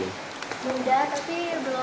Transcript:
udah tapi belum di